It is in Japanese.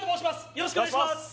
よろしくお願いします